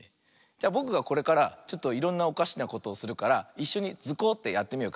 じゃぼくがこれからちょっといろんなおかしなことをするからいっしょに「ズコ！」ってやってみようか。